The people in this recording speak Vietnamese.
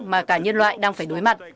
mà cả nhân loại đang phải đối mặt